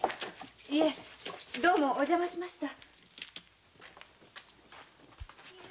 いえどうもお邪魔しました。